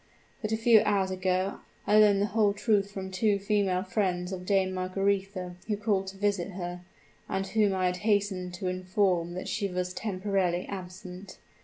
But a few hours ago, I learned the whole truth from two female friends of Dame Margaretha who called to visit her, and whom I had hastened to inform that she was temporarily absent.